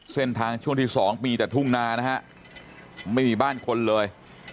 เส้นทางช่วงที่๒มีแต่ทุ่งนานะฮะไม่มีบ้านคนเลย